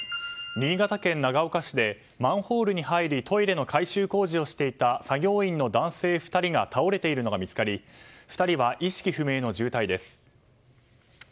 新潟県長岡市でマンホールに入りトイレの改修工事をしていた作業員の男性２人が倒れているのが見つかり２人は意識不明の重体です。